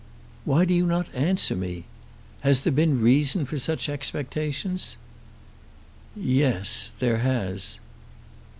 "Why do you not answer me? Has there been reason for such expectations?" "Yes; there has."